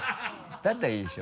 だったらいいでしょ？